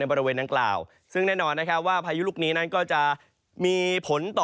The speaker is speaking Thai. บริเวณดังกล่าวซึ่งแน่นอนนะครับว่าพายุลูกนี้นั้นก็จะมีผลต่อ